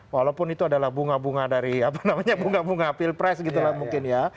walaupun itu adalah bunga bunga dari apa namanya bunga bunga pilpres gitu lah mungkin ya